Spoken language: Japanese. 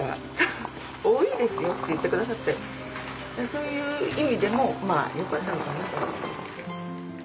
そういう意味でもよかったのかなと。